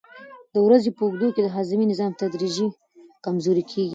د ورځې په اوږدو کې د هاضمې نظام تدریجي کمزوری کېږي.